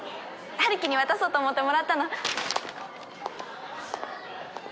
ハルキに渡そうと思ってもらったの！